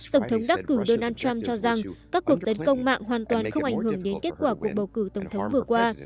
tổng thống đắc cử donald trump cho rằng các cuộc tấn công mạng hoàn toàn không ảnh hưởng đến kết quả cuộc bầu cử tổng thống vừa qua